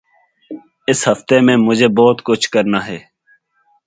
اس ہفتے میں مجھے بہت کچھ کرنا ہے۔